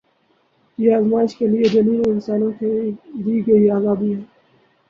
یہ آزمایش کے لیے جنوں اور انسانوں کو دی گئی آزادی ہے